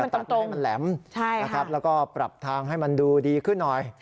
ตัดตัวให้มันแหลมแล้วก็ปรับทางให้มันดูดีขึ้นหน่อย